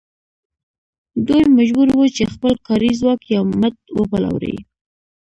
دوی مجبور وو چې خپل کاري ځواک یا مټ وپلوري